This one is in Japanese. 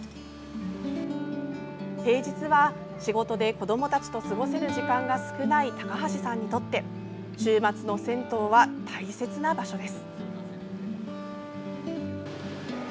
平日は、仕事で子どもたちと過ごせる時間が少ない高橋さんにとって週末の銭湯は大切な場所です。